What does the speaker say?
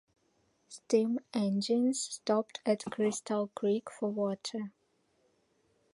Steam engines stopped at Crystal Creek for water.